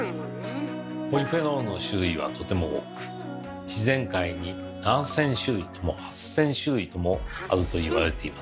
ポリフェノールの種類はとても多く自然界に７，０００種類とも８，０００種類ともあると言われています。